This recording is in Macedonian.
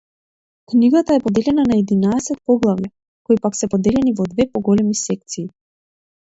Книгата е поделена на единаесет поглавја, кои пак се поделени во две поголеми секции.